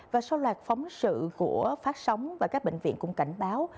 và sau loạt phóng sự của phát sóng và các bệnh viện cũng cảnh báo